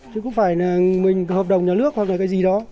chứ không phải là mình hợp đồng nhà nước hoặc là cái gì đó